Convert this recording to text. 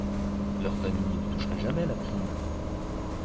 Leur famille ne toucherait jamais la prime.